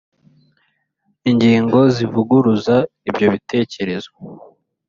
– Ingingo zivuguruza ibyo bitekerezo.